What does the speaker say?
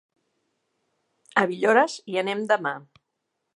A Villores hi anem demà.